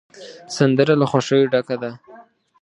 سندره له خوښیو ډکه ده